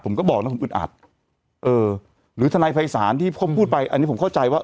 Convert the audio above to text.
ผมก็บอกนะผมอึดอัดเออหรือทนายภัยศาลที่ผมพูดไปอันนี้ผมเข้าใจว่า